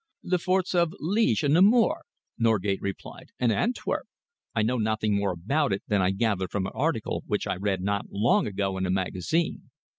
"The forts of Liege and Namur," Norgate replied, "and Antwerp. I know nothing more about it than I gathered from an article which I read not long ago in a magazine.